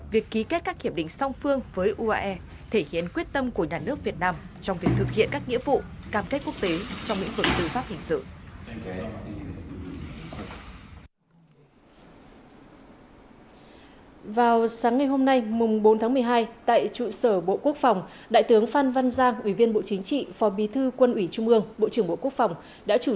việc ký kết các hiệp định song phương với uae thể hiện quyết tâm của nhà nước việt nam trong việc thực hiện các nghĩa vụ cam kết quốc tế trong những hội tư pháp hình sự